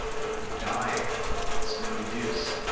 "I'm dying! It's no use